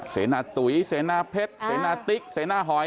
เสนาตุ๋ยเสนาเพชรเสนาติ๊กเสนาหอย